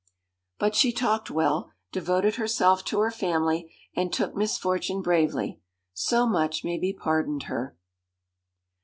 But she talked well, devoted herself to her family, and took misfortune bravely; so much may be pardoned her.